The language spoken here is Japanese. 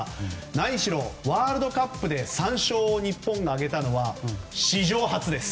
何しろワールドカップで３勝を日本が挙げたのは史上初。